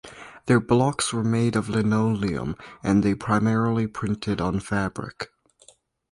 Their blocks were made of linoleum, and they primarily printed on fabric.